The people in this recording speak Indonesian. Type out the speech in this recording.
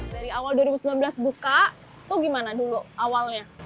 dari awal dua ribu sembilan belas buka itu gimana dulu awalnya